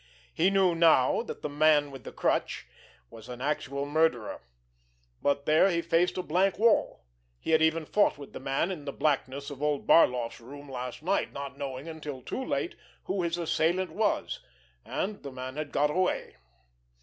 He knew now that the Man with the Crutch was the actual murderer—but there he faced a blank wall. He had even fought with the man in the blackness of old Barloff's room last night, not knowing until too late who his assailant was, and the man had got away.